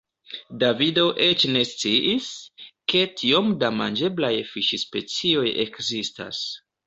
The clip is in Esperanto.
Davido eĉ ne sciis, ke tiom da manĝeblaj fiŝspecioj ekzistas.